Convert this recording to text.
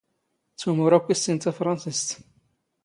ⵜⵓⵎ ⵓⵔ ⴰⴽⴽⵯ ⵉⵙⵙⵉⵏ ⵜⴰⴼⵕⴰⵏⵙⵉⵙⵜ.